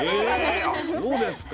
そうですか。